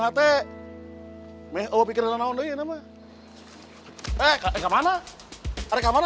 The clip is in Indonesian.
hati meopi kira kira naon doy enama eh kemana kamana